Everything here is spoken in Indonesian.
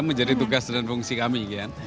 menjadi tugas dan fungsi kami